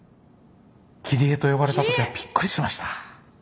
「キリエ」と呼ばれたときはびっくりしました。